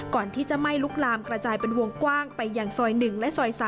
ก่อนที่จะไหม้ลุกลามกระจายเป็นวงกว้างไปอย่างซอย๑และซอย๓